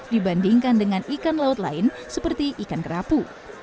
dibandingkan dengan ikan laut lain seperti ikan kerapu